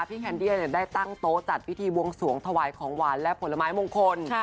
แคนดี้ได้ตั้งโต๊ะจัดพิธีบวงสวงถวายของหวานและผลไม้มงคล